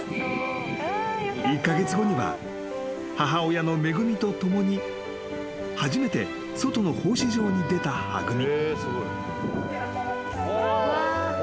［１カ月後には母親のメグミと共に初めて外の放飼場に出たはぐみ］